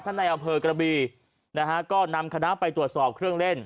ในอำเภอกระบีนะฮะก็นำคณะไปตรวจสอบเครื่องเล่น